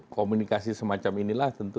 komunikasi semacam inilah tentu